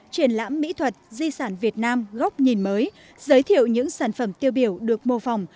triển lãm mỹ thuật di sản việt nam góc nhìn mới giới thiệu những sản phẩm tiêu biểu được mô phỏng